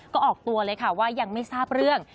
ก็ออกตัวเลยค่ะว่ายังไม่ทราบเรื่อง